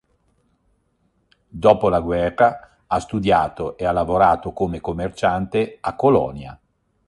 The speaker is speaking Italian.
Dopo la guerra ha studiato e ha lavorato come commerciante a Colonia.